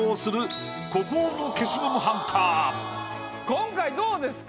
今回どうですか？